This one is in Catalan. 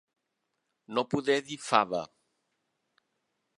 No poder dir fava.